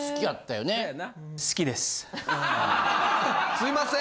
すいません。